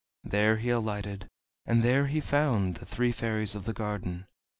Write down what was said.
There he alighted, and there he found the Three Fairies of the Garden.